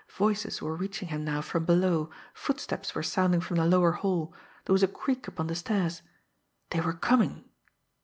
Voices were reaching him now from below, footsteps were sounding from the lower hall, there was a creak upon the stairs. They were coming!